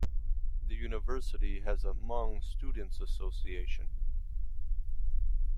The university has a Hmong Students Association.